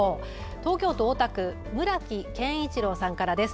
東京都大田区村木謙一郎さんからです。